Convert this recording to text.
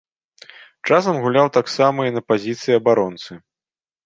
Часам гуляў таксама і на пазіцыі абаронцы.